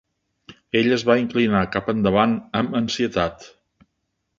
Ella es va inclinar cap endavant amb ansietat.